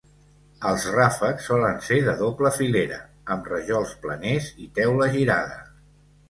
Els ràfecs solen ser de doble filera, amb rajols planers i teula girada.